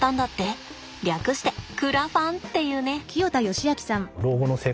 略してクラファンっていうね。